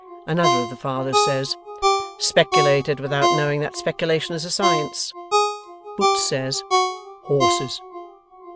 Another of the Fathers says, 'Speculated without knowing that speculation is a science.' Boots says 'Horses.